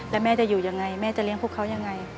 แล้วแม่จะอยู่ยังไงแม่จะเลี้ยงพวกเขายังไง